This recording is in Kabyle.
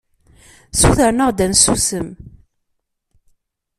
Ssutren-aɣ-d ad nsusem.